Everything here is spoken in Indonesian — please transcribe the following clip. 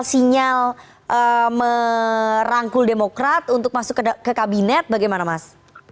sinyal merangkul demokrat untuk masuk ke kabinet bagaimana mas